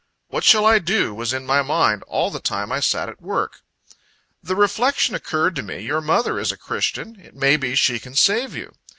"What shall I do?" was in my mind, all the time I sat at work. The reflection occurred to me, "Your mother is a christian; it may be she can save you."